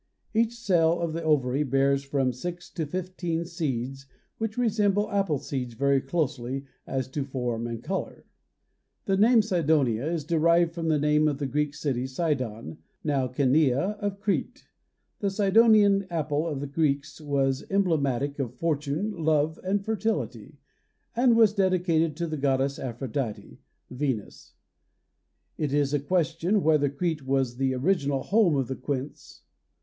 Each cell of the ovary bears from six to fifteen seeds which resemble apple seeds very closely as to form and color. The name Cydonia is derived from the name of the Greek city Cydon, now Canea, of Crete. The Cydonian apple of the Greeks was emblematic of fortune, love and fertility, and was dedicated to the goddess Aphrodite (Venus). It is a question whether Crete was the original home of the quince.